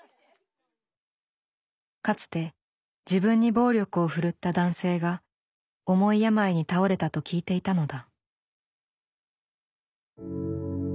かつて自分に暴力を振るった男性が重い病に倒れたと聞いていたのだ。